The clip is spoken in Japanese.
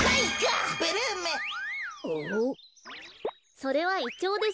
それはイチョウです。